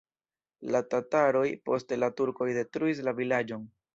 La tataroj, poste la turkoj detruis la vilaĝon.